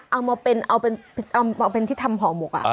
เอามาเป็นที่ทำห่อหมก